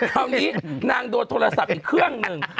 คราวนี้นางโดนโทรศัพท์อีกเครื่องหนึ่ง